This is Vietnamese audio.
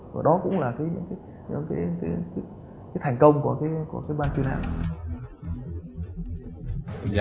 và đó cũng là thành công của ban chuyên hạng